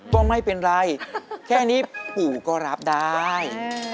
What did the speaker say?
ก็ไม่เป็นไรแค่นี้ปู่ก็รับได้